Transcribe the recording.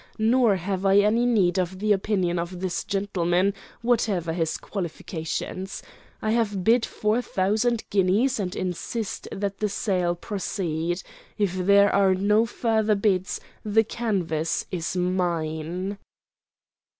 Nor have I any need of the opinion of this gentleman, whatever his qualifications. I have bid four thousand guineas, and insist that the sale proceed. If there are no further bids, the canvas is mine."